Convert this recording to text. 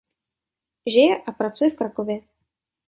Žije a pracuje v Krakově.